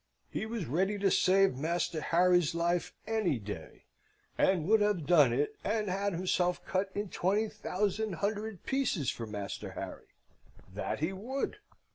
He was ready to save Master Harry's life any day, and would have done it and had himself cut in twenty thousand hundred pieces for Master Harry, that he would!